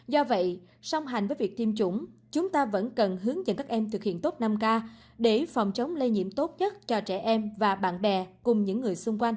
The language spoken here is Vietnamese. do vậy song hành với việc tiêm chủng chúng ta vẫn cần hướng dẫn các em thực hiện tốt năm k để phòng chống lây nhiễm tốt nhất cho trẻ em và bạn bè cùng những người xung quanh